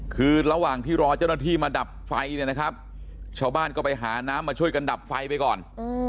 คือระหว่างที่รอเจ้าหน้าที่มาดับไฟเนี่ยนะครับชาวบ้านก็ไปหาน้ำมาช่วยกันดับไฟไปก่อน